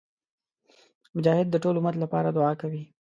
مجاهد د ټول امت لپاره دعا کوي.